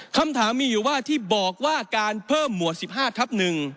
คำถามมีอยู่ว่าที่บอกว่าการเพิ่มหมวด๑๕ทับ๑